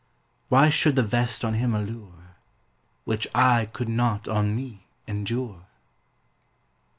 Why should the vest on him allure, Which I could not on me endure?